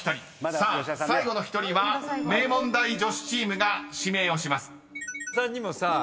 ［さあ最後の１人は名門大女子チームが指名をします］